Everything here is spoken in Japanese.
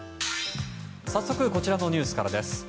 早速こちらのニュースからです。